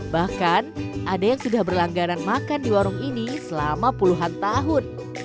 bahkan ada yang sudah berlangganan makan di warung ini selama puluhan tahun